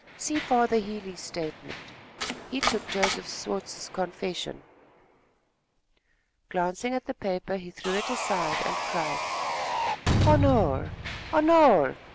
See Father Healey's statement. He took Joseph Swartz's confession." Glancing at the paper, he threw it aside and cried: "Honore! Honore!